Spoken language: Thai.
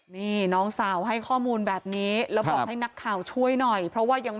นี่น้องสาวให้ข้อมูลแบบนี้แล้วบอกให้นักข่าวช่วยหน่อย